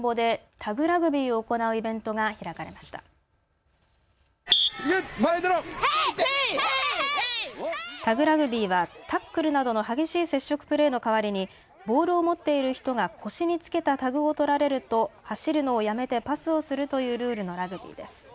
タグラグビーはタックルなどの激しい接触プレーの代わりにボールを持っている人が腰に付けたタグを取られると走るのをやめてパスをするというルールのラグビーです。